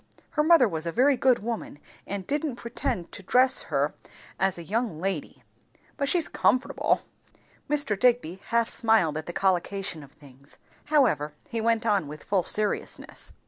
Her mother was a very good woman, and didn't pretend to dress her as a young lady. But she's comfortable." Mr. Digby half smiled at the collocation of things, however he went on with full seriousness.